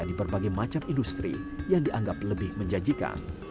di berbagai macam industri yang dianggap lebih menjanjikan